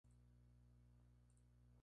La canción "Hey, hey, hey" quedó descartada.